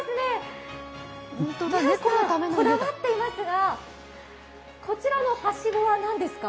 こだわっていますが、こちらのはしごは何ですか？